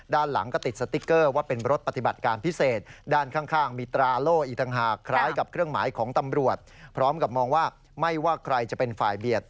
ด้านหลังก็ติดสติ๊กเกอร์ว่าเป็นรถปฏิบัติการพิเศษด้านข้างมีตราโล่อีกต่างหากคล้ายกับเครื่องหมายของตำรวจพร้อมกับมองว่าไม่ว่าใครจะเป็นฝ่ายเบียด